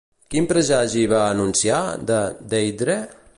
Quin presagi va anunciar de Deirdre?